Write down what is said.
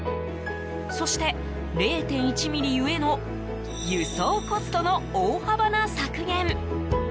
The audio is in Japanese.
そして、０．１ｍｍゆえの輸送コストの大幅な削減。